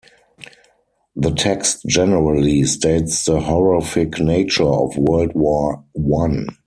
The text generally states the horrific nature of World War One.